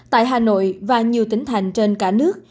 tại hà nội và nhiều tỉnh thành trên cả nước